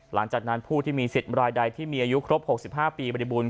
หลังจากนั้นผู้ที่มีสิทธิ์รายใดที่มีอายุครบ๖๕ปีบริบูรณ